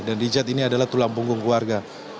dan richard ini adalah tulang punggung keluarga